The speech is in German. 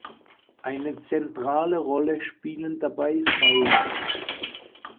Eine zentrale Rolle spielen dabei Seile.